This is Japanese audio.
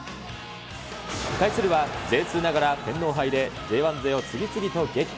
対するは、Ｊ２ながら天皇杯でＪ１勢を次々と撃破。